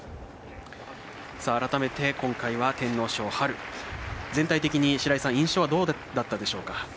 改めて今回は天皇賞全体的に白井さん、印象はどうだったでしょうか？